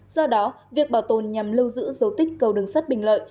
do đó việc bảo tồn nhằm lưu giữ dấu tích cầu đường sắt bình lợi